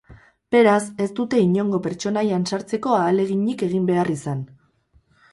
Beraz, ez dute inongo pertsonaian sartzeko ahaleginik egin behar izan.